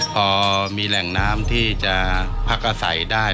พอมีแหล่งน้ำที่จะภักษาใส